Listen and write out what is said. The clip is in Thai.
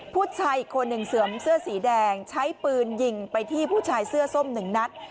ผู้ชายอีกคนหนึ่งเสื่อมเสื้อสีแดงใช้ปืนยิงไปที่ผู้ชายเสื้อส้มหนึ่งนัด